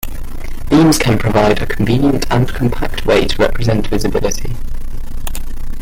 Beams can provide a convenient and compact way to represent visibility.